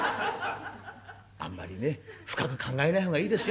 あんまりね深く考えない方がいいですよ。